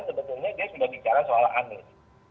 sebetulnya dia sudah bicara soal anies